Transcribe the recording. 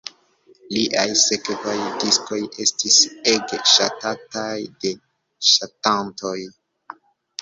Liaj sekvaj diskoj estis ege ŝatataj de ŝatantoj.